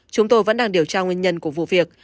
chúng tôi vẫn đang điều tra nguyên nhân của vụ việc